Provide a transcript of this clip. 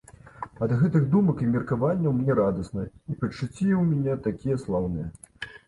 Ад гэтых думак і меркаванняў мне радасна і пачуцці ў мяне такія слаўныя.